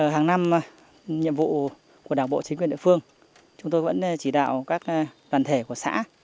hàng năm nhiệm vụ của đảng bộ chính quyền địa phương chúng tôi vẫn chỉ đạo các đoàn thể của xã